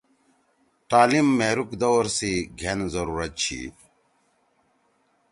تعلیم مھیرُوک دور سی گھین ضرورت چھی۔